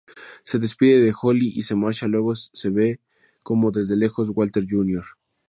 Se despide de Holly y se marcha, luego ve cómo desde lejos Walter Jr.